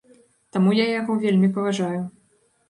Таму я яго вельмі паважаю.